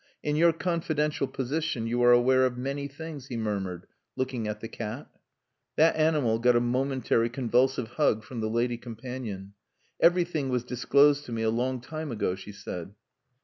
In your confidential position you are aware of many things," he murmured, looking at the cat. That animal got a momentary convulsive hug from the lady companion. "Everything was disclosed to me a long time ago," she said.